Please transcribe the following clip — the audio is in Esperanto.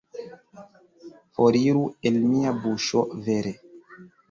Foriru el mia buŝo, vere!